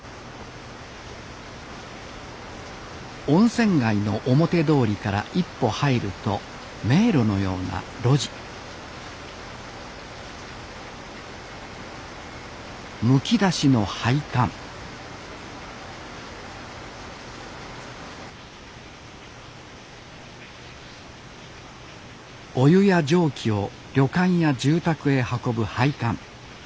温泉街の表通りから一歩入ると迷路のような路地むき出しの配管お湯や蒸気を旅館や住宅へ運ぶ配管。